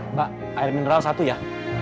mbak air mineral satu ya